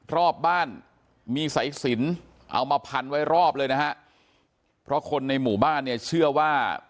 รอบบ้านมีสายสินเอามาพันไว้รอบเลยนะฮะเพราะคนในหมู่บ้านเนี่ยเชื่อว่า